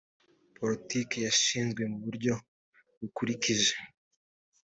politiki washinzwe mu buryo bukurikije